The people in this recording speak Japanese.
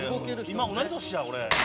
今同い年や俺」